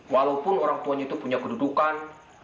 walaupun orang tuanya itu punya kedudukan